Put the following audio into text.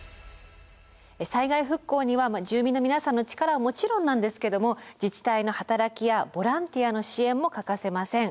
災害復興には住民の皆さんの力はもちろんなんですけども自治体の働きやボランティアの支援も欠かせません。